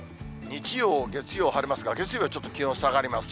日曜、月曜晴れますが、月曜はちょっと気温下がります。